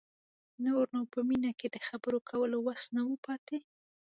نور نو په مينې کې د خبرو کولو وس نه و پاتې.